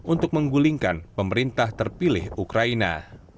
untuk menggulingkan pemerintah terpilih ukraina